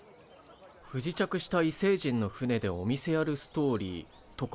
不時着した異星人の船でお店やるストーリーとか。